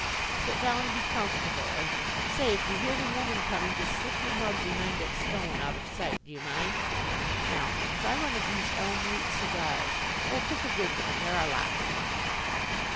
Sit down and be comfortable, and, say if you hear the woman coming just slip your mug behind that stone out of sight. Do you mind? Now, try one of these elm root cigars. Oh, pick a good one there are lots of them!"